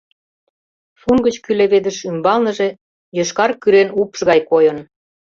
Шун гыч кӱлеведыш ӱмбалныже йошкар-кӱрен упш гай койын.